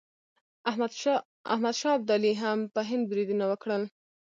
احمد شاه ابدالي هم په هند بریدونه وکړل.